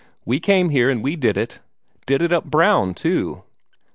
We came here and we did it did it up brown, too.